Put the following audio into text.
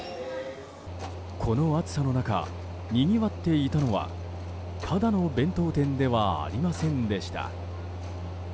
この暑さの中にぎわっていたのはただの弁当店ではありませんでした。